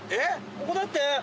ここだって。